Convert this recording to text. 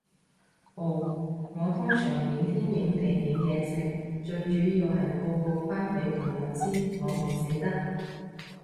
哦，我通常影天影地影嘢食，最主要係報告返畀朋友知，我未死得